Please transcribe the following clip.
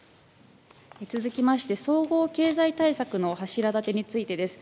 続きまして、総合経済対策の柱立てについてです。